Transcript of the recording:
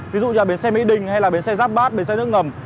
ví dụ như bến xe mỹ đình hay là bến xe giáp bát bến xe nước ngầm